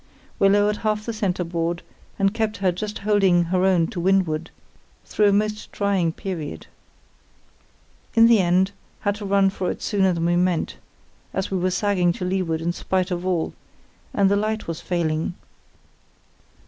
We lowered half the centreboard and kept her just holding her own to windward, through a most trying period. In the end had to run for it sooner than we meant, as we were sagging to leeward in spite of all, and the light was failing.